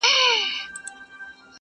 غوړه مال چي چا تر څنګ دی درولی،